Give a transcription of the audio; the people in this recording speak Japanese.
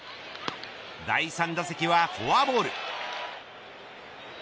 第３打席はフォアボール。